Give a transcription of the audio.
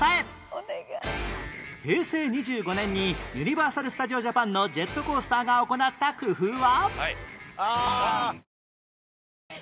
平成２５年にユニバーサル・スタジオ・ジャパンのジェットコースターが行った工夫は